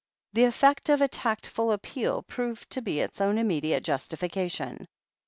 The eflFect of a tactful appeal proved to be its own immediate justification.